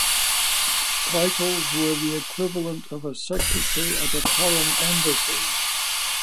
The titles were the equivalent of a secretary at a foreign embassy.